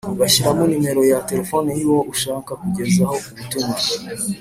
ugashyiramo nimero ya telefoni yuwo ushaka kugezaho ubutumwa